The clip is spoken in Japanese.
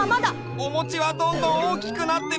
おもちはどんどんおおきくなってるよ！